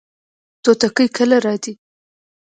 توتکۍ کله راځي؟